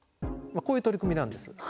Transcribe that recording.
こういう取り組みなんです。